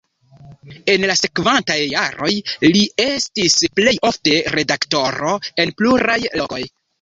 En la sekvantaj jaroj li estis plej ofte redaktoro en pluraj lokoj.